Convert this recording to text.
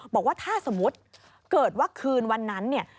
บอกว่าถ้าสมมุติเกิดว่าคืนวันนั้นเนี่ย